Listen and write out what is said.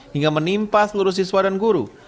hingga menimpa seluruh siswa dan guru